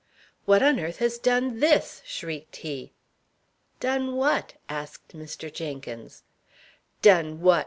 "What on earth has done this?" shrieked he. "Done what?" asked Mr. Jenkins. "Done what!"